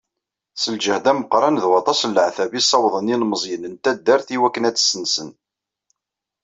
S lǧehd ameqqran d waṭas n leɛtab i ssawḍen yilemẓiyen n taddart iwakken ad tt-ssensen.